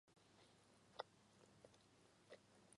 她是美军第三艘以亚利桑那州为名的军舰。